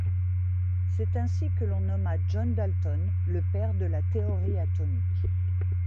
C'est ainsi que l'on nomma John Dalton le père de la théorie atomique.